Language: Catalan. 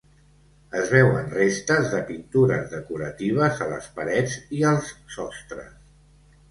Es veuen restes de pintures decoratives a les parets i als sostres.